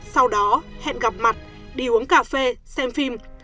sau đó hẹn gặp mặt đi uống cà phê xem phim